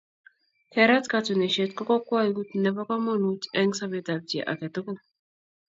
Kerat katunisyet ko kokwoutiet nebo komonut eng sobeetab chi age tugul.